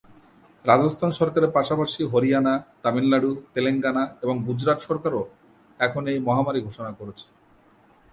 রাজস্থান সরকারের পাশাপাশি হরিয়ানা, তামিলনাড়ু, তেলেঙ্গানা এবং গুজরাট সরকারও এখন এই মহামারী ঘোষণা করেছে।